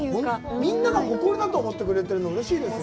みんなが誇りだと思ってくれてるのうれしいですね。